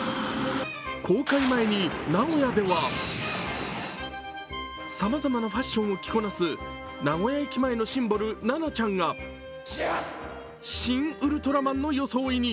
公開前に名古屋では、さまざまなファッションを着こなす名古屋駅前のシンボル・ナナちゃんがシン・ウルトラマンの装いに。